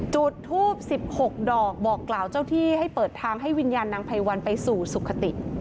จุดทูบ๑๖ดอกบอกกล่าวเจ้าที่ให้เปิดทางให้วิญญาณนางไพวันไปสู่สุขติ